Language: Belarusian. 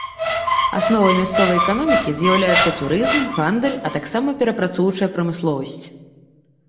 Асновай мясцовай эканомікі з'яўляюцца турызм, гандаль, а таксама перапрацоўчая прамысловасць.